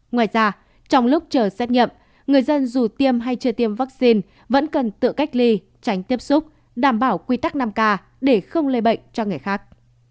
ngoài ra trong lúc chờ xét nghiệm người dân dù tiêm hay chưa tiêm vaccine vẫn cần tự cách ly tránh tiếp xúc đảm bảo quy tắc năm k để không lây bệnh cho người khác